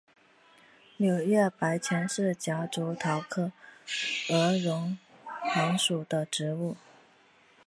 卵叶白前是夹竹桃科鹅绒藤属的植物。